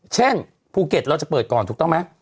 เช่นภูเก็ตเราจะเปิดก่อนถูกต้องไหม